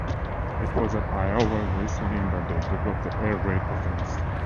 It was at Iowa Wesleyan that they developed the "Air Raid" offense.